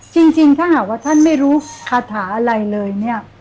จริงถ้าหากว่าท่านไม่รู้คาถาอะไรเลยเนี่ย